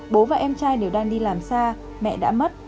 bố và em trai đều đang đi làm xa mẹ đã mất